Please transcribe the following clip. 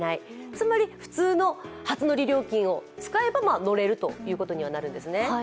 つまり普通の初乗り料金を使えば乗れるということになるんですね。